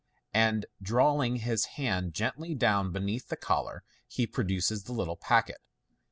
and drawing his hand gently down beneath the collar, he produces the little packet.